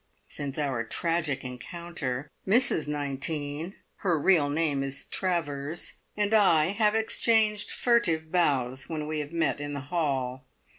Since our tragic encounter, Mrs Nineteen (her real name is Travers) and I have exchanged furtive bows when we have met in the hall.